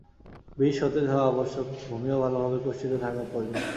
বীজ সতেজ হওয়া আবশ্যক, ভূমিও ভালভাবে কর্ষিত থাকা প্রয়োজন।